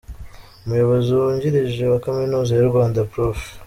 Umuyobozi wungirije wa Kaminuza y’u Rwanda, Prof.